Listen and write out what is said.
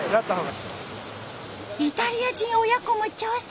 イタリア人親子も挑戦！